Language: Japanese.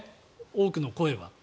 多くの声は。